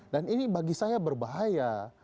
dan ini bagi saya berbahaya